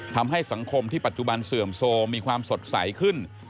ทำให้สังคมที่ปัจจุบันเสื่อมโซมีความสดใสขึ้น